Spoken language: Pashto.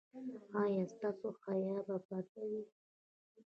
ایا ستاسو حیا به پرده وي؟